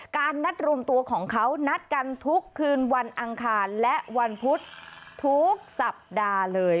การนัดรวมตัวของเขานัดกันทุกคืนวันอังคารและวันพุธทุกสัปดาห์เลย